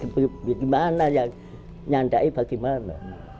bagaimana yang menyandai bagaimana